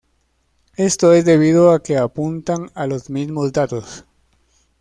Esto es debido a que apuntan a los mismos datos.